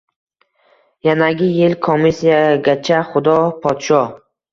Yanagi yilgi komissiyagacha Xudo poshsho?